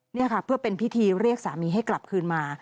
นี่ค่ะเพื่อเป็นพิธีเรียกสามีให้กลับคืนมา